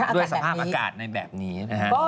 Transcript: ด้วยสภาพอากาศในแบบนี้นะฮะ